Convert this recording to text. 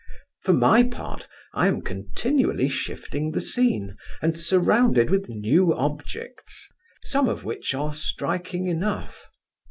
For my part, I am continually shifting the scene, and surrounded with new objects; some of which are striking enough.